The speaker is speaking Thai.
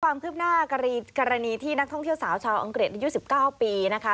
ความคืบหน้ากรณีที่นักท่องเที่ยวสาวชาวอังกฤษอายุ๑๙ปีนะคะ